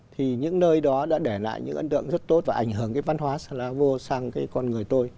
thì những nơi đó đã để lại những ấn tượng rất tốt và ảnh hưởng cái văn hóa slavo sang cái con người tôi